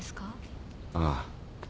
ああ。